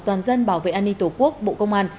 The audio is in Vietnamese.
toàn dân bảo vệ an ninh tổ quốc bộ công an